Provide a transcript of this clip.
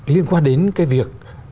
liên quan đến việc